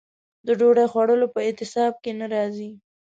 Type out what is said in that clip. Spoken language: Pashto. د ډوډۍ خوړلو په اعتصاب کې نه راځي.